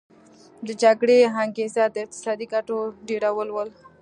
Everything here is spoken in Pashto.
د جګړې انګیزه د اقتصادي ګټو ډیرول وي